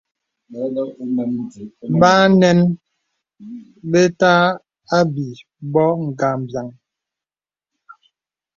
Bà ànəŋ be tà àbī bô ngambīaŋ.